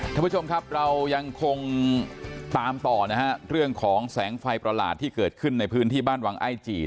ท่านผู้ชมครับเรายังคงตามต่อนะฮะเรื่องของแสงไฟประหลาดที่เกิดขึ้นในพื้นที่บ้านวังไอจี